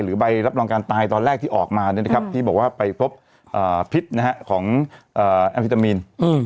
หรือใบรับรองการตายตอนแรกที่ออกมานะครับที่บอกว่าไปพบพิษนะครับของแอลพิตามีน